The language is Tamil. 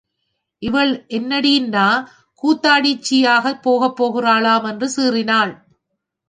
இவள் என்னடீன்னா கூத்தாடிச்சியாக போகப் போகிறாளாம் என்று சீறினாள்.